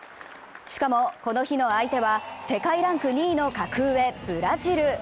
しかもこの日の相手は世界ランク２位の格上・ブラジル。